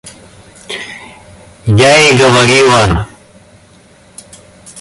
Я и говорила!